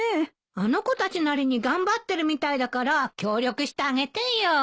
あの子たちなりに頑張ってるみたいだから協力してあげてよ。